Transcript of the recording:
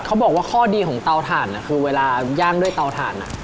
เขาบอกว่าข้อดีของเตาถ่านคือเวลาย่างด้วยเตาถ่าน